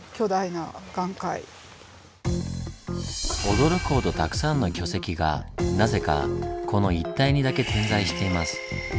驚くほどたくさんの巨石がなぜかこの一帯にだけ点在しています。